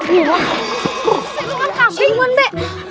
siapa yang kasih menda